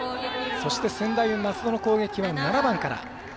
そして専大松戸の攻撃は７番から。